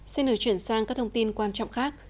xin được chuyển sang các thông tin quan trọng khác